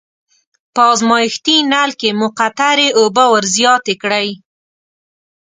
په ازمایښتي نل کې مقطرې اوبه ور زیاتې کړئ.